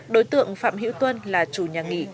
đối tượng phạm hữu tuân là chủ nhà nghỉ